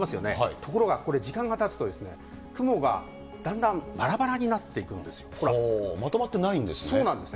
ところがこれ、時間がたつとですね、雲がだんだんばらばらになっまとまってないんですね。